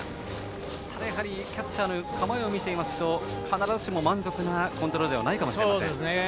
ただやはり、キャッチャーの構えを見てみますと必ずしも満足なコントロールではないかもしれません。